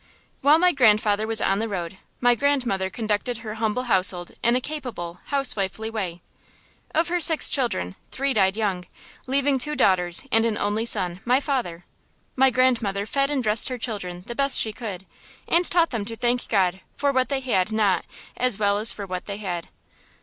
While my grandfather was on the road, my grandmother conducted her humble household in a capable, housewifely way. Of her six children, three died young, leaving two daughters and an only son, my father. My grandmother fed and dressed her children the best she could, and taught them to thank God for what they had not as well as for what they had.